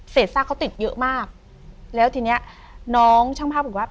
ซากเขาติดเยอะมากแล้วทีเนี้ยน้องช่างภาพบอกว่า